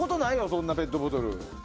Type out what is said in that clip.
そんなペットボトル。